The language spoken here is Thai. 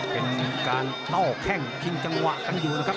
เป็นการโต้แข้งชิงจังหวะกันอยู่นะครับ